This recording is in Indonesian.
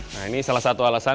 nah ini salah satu alasan